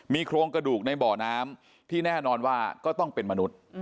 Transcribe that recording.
มีโครงกระดูกในบ่อน้ำที่แน่นอนว่าก็ต้องเป็นมนุษย์